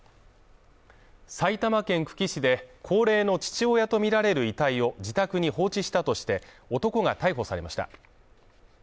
埼玉県久喜市で、高齢の父親とみられる遺体を自宅に放置したとして男が逮捕されました。